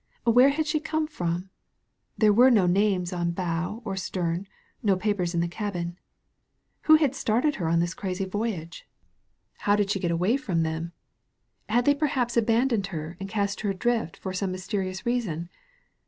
"Where had she come from? There were no names on bow or stem, no papers in the cabin. Who had started her on this crazy voyage? How did 251 THE VALLEY OF VISION she get away from them ? Had they perhaps aban doned her and cast her adrift for some mysterious reason?